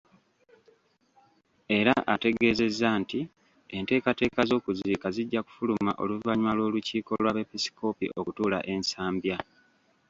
Era ategezezza nti enteekateeka z'okuziika zijja kufuluma oluvannyuma lw'olukiiko lw'abepiskoopi okutuula e Nsambya.